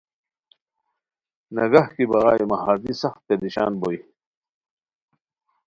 نگہہ کی بغائے مہ ہردی سخت پریشان بوئے